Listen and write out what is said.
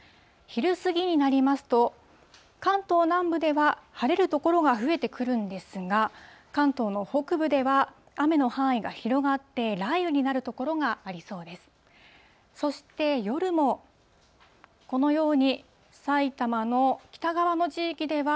昼過ぎになりますと、関東南部では晴れる所が増えてくるんですが、関東の北部では雨の範囲が広がって、雷雨になる所がありそうです。